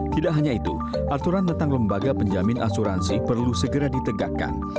tidak hanya itu aturan tentang lembaga penjamin asuransi perlu segera ditegakkan